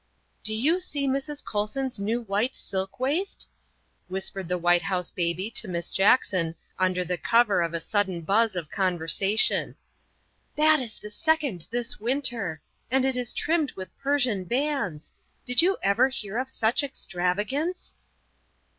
" Do you see Mrs. Colson 's new white silk waist?" whispered the White House Baby to Miss Jackson under cover of a sudden buzz of conversation; " that is the second this winter. And it is trimmed with Persian bands. Did you ever hear of such extravagance